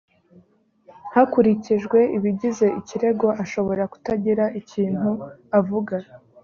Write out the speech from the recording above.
hakurikijwe ibigize ikirego ashobora kutagira ikintu avuga